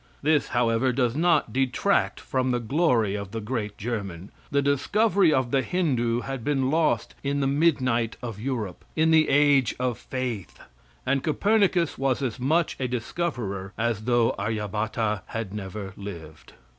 This, however, does not detract from the glory of the great German. The discovery of the Hindoo had been lost in the midnight of Europe in the age of faith and Copernicus was as much a discoverer as though Aryabhatta had never lived.